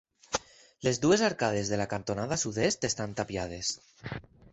Les dues arcades de la cantonada sud-est estan tapiades.